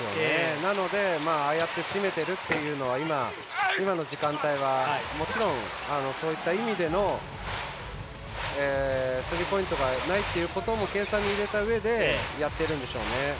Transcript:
なので、ああやって閉めてるというのは今の時間帯はもちろんそういった意味でのスリーポイントがないということも計算に入れたうえでやっているんでしょうね。